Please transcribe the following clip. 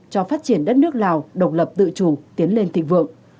cho phát triển đất nước lào độc lập tự chủ tiến lên thịnh vượng